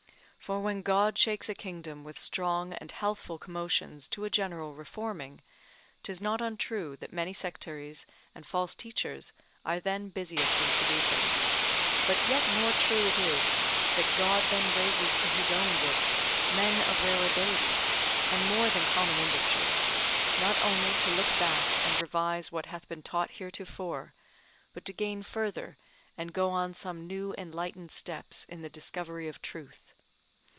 For when God shakes a kingdom with strong and healthful commotions to a general reforming, 'tis not untrue that many sectaries and false teachers are then busiest in seducing; but yet more true it is, that God then raises to his own work men of rare abilities, and more than common industry, not only to look back and revise what hath been taught heretofore, but to gain further and go on some new enlightened steps in the discovery of truth.